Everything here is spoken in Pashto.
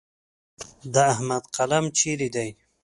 د احمد قلم چیرې دی؟